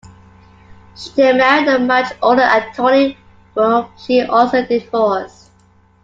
She then married a much older attorney, whom she also divorced.